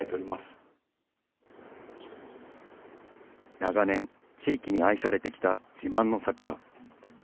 長年、地域に愛されてきた自慢の桜。